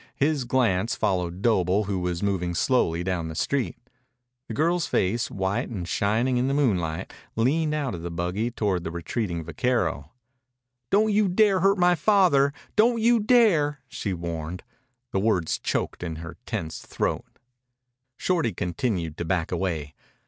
His glance followed Doble, who was moving slowly down the street. The girl's face, white and shining in the moonlight, leaned out of the buggy toward the retreating vaquero. "Don't you dare hurt my father! Don't you dare!" she warned. The words choked in her tense throat. Shorty continued to back away.